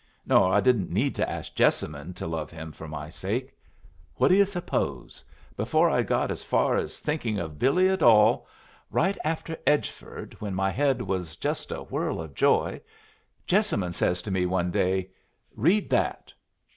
Nor I didn't need to ask Jessamine to love him for my sake. What do yu' suppose? Before I'd got far as thinking of Billy at all right after Edgeford, when my head was just a whirl of joy Jessamine says to me one day, 'Read that.'